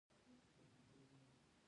خو لکه چې ملا نه سوې.